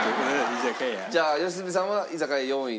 じゃあ良純さんは居酒屋４位じゃないかと。